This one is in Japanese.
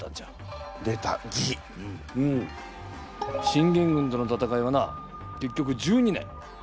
信玄軍との戦いはな結局１２年。